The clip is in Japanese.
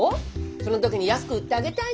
その時に安く売ってあげたいのよ。